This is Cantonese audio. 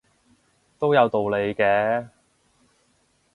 都有道理嘅